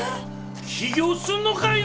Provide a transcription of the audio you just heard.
起業すんのかいな！